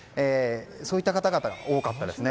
そういった方々が多かったですね。